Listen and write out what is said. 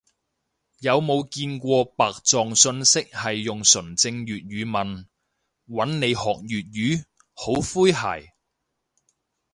有冇見過白撞訊息係用純正粵語問，搵你學粵語？好詼諧